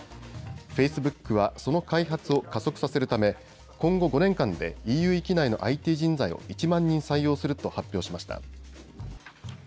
フェイスブックはその開発を加速させるため今後５年間でＥＵ域内のＩＴ人材を１万人採用すると発表しました。